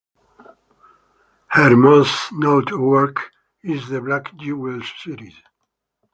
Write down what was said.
Her most noted work is the Black Jewels series.